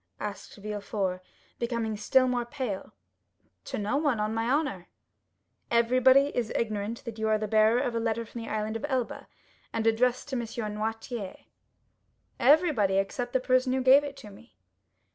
asked Villefort, becoming still more pale. "To no one, on my honor." "Everybody is ignorant that you are the bearer of a letter from the Island of Elba, and addressed to M. Noirtier?" "Everybody, except the person who gave it to me."